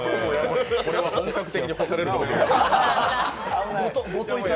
これは本格的に干されるかもしれません。